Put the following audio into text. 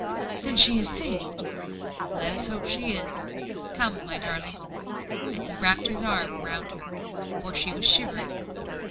"Then she is saved." "Let us hope she is. Come, my darling!" and he wrapped his arm round her, for she was shivering.